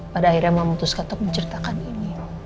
pada akhirnya memutuskan untuk menceritakan ini